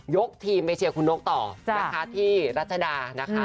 ยกทีมไปเชียร์คุณนกต่อนะคะที่รัชดานะคะ